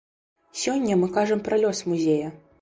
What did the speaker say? Сёння мы кажам пра лёс музея.